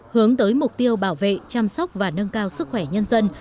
hướng tới mục tiêu bảo vệ chăm sóc và nâng cao sức khỏe nhân dân